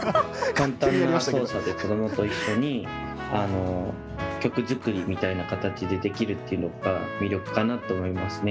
簡単な操作で子どもと一緒に、曲作りみたいな形でできるっていうのが魅力かなと思いますね。